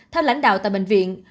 theo lãnh đạo tại bệnh viện